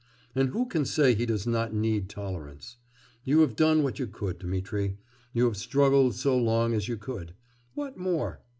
And who can say he does not need tolerance? You have done what you could, Dmitri... you have struggled so long as you could... what more?